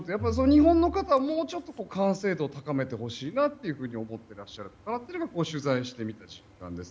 日本の方はもうちょっと完成度を高めてほしいなって思っていらっしゃる方が多いなというのが取材してみての感覚です。